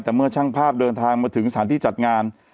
แต่เมื่อช่างภาพเดินทางมาถึงสถานที่จัดงาน